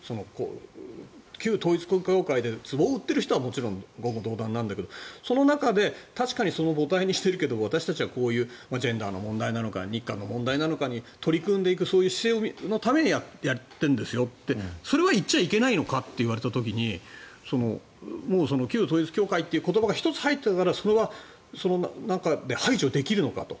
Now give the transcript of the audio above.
旧統一教会でつぼを売っている人はもちろん言語道断なんだけどその中で確かに母体にしているけどジェンダーの問題なのか日韓の問題なのかに取り組んでいくそういう姿勢のためにやっているんですよってそれは言っちゃいけないのかと言われた時に旧統一教会という言葉が１つ入っていたらそれは排除できるのかと。